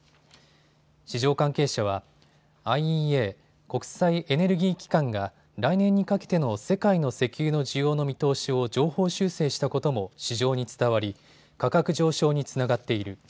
市場関係者はＩＥＡ・国際エネルギー機関が来年にかけての世界の石油の需要の見通しを上方修正したことも市場に伝わり価格上昇につながっている。